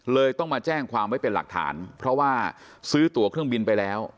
ต้องมาแจ้งความไว้เป็นหลักฐานเพราะว่าซื้อตัวเครื่องบินไปแล้ว